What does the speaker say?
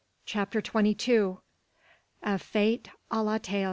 CHAPTER TWENTY TWO. A FEAT A LA TAIL.